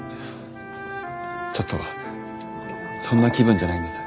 ちょっとそんな気分じゃないんです。